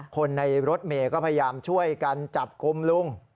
คนในรถเมย์ก็พยายามช่วยกันจับกลุ่มลุง